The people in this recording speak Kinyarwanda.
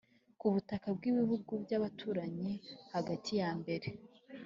ku butaka bw'ibihugu by'abaturanyi hagati ya mbere